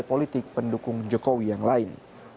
politik pendukung jokowi yang lain